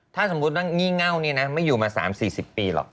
ถ้าหมดว่าหนึ่งง้าวนี้นะ้ไม่อยู่มา๓๔๐ปีหลอก